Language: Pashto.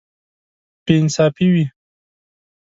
بې انصافي وي.